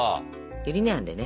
ゆり根あんでね